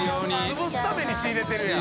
つぶすために仕入れてるやん。